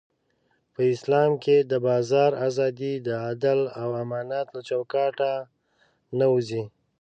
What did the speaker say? په اسلام کې د بازار ازادي د عدل او امانت له چوکاټه نه وځي.